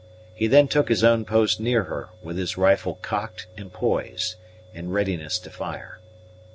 He then took his own post near her, with his rifle cocked and poised, in readiness to fire.